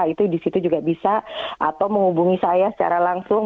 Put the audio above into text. itu disitu juga bisa atau menghubungi saya secara langsung